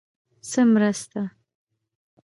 _څه مرسته؟